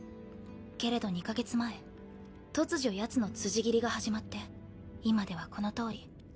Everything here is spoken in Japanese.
けれど２カ月前突如やつの辻斬りが始まって今ではこのとおり。